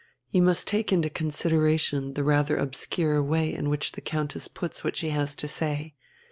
You must take into consideration the rather obscure way in which the Countess puts what she has to say.